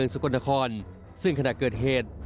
สกลนครซึ่งขณะเกิดเหตุ